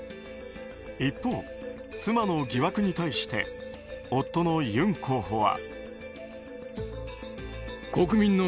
一方、妻の疑惑に対して夫のユン候補は。